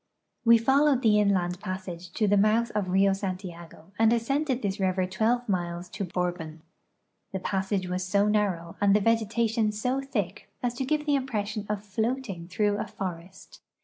" We followed the inland passage to the mouth of Rio Santiago and ascended this river 12 miles to Borhon. The pa.ssage was so narrow and the vegetation so thick as to give the impression of floating through a forest.